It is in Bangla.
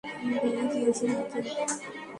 ব্যাগে কি আছে মাইকেল?